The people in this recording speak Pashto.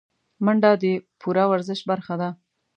منډه د پوره ورزش برخه ده